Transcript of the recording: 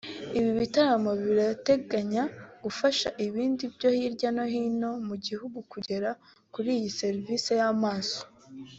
Ibi bitaro birateganya gufasha ibindi byo hirya no hino mu gihugu kugera kuri iyi serivisi y’amaso